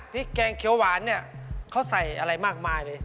แกงเขียวหวานเนี่ยเขาใส่อะไรมากมายเลย